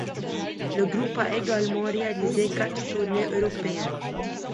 Le groupe a également réalisé quatre tournées européennes.